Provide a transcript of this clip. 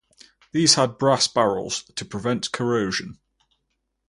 These had brass barrels to prevent corrosion.